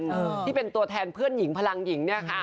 ที่เป็นตัวแทนเพื่อนหญิงพลังหญิงเนี่ยค่ะ